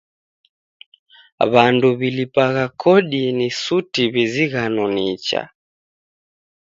W'andu w'ilipagha kodi ni suti w'izighano nicha.